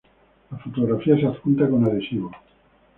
La fotografía se adjunta con adhesivo.